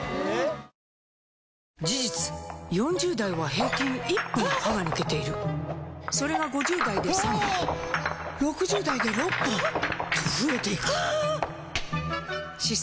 事実４０代は平均１本歯が抜けているそれが５０代で３本６０代で６本と増えていく歯槽